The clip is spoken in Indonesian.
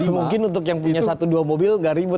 mungkin untuk yang punya satu dua mobil nggak ribut